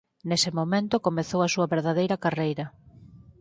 Nese momento comezou a súa verdadeira carreira.